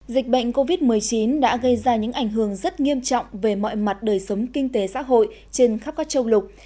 dịch bệnh covid một mươi chín đã gây ra những ảnh hưởng rất nghiêm trọng về mọi mặt đời sống kinh tế xã hội trên khắp các châu lục